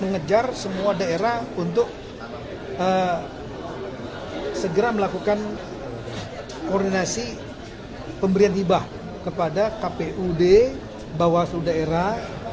mengejar semua daerah untuk segera melakukan koordinasi pemberian hibah kepada kpud bawaslu daerah